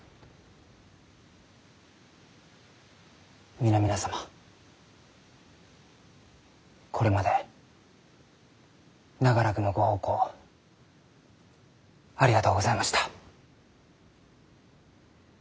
皆々様これまで長らくのご奉公ありがとうございました。